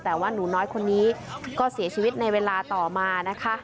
แต่ว่าหนูน้อยคนนี้ก็เสียชีวิตในเวลาต่อมานะคะ